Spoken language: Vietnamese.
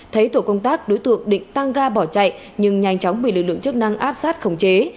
thấy tổ công tác đối tượng định tăng ga bỏ chạy nhưng nhanh chóng bị lực lượng chức năng áp sát khống chế